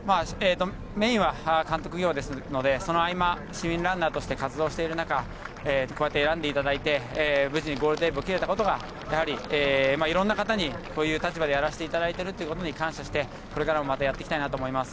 メインは監督業でその合間、市民ランナーとして活動している中選んでいただいて無事にゴールテープを切れたことがいろんな方にこういう立場でやらせてもらっていることに感謝をしてこれからもやっていきたいと思います。